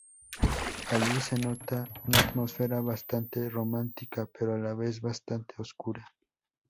Allí se nota una atmósfera bastante romántica pero a la vez bastante oscura.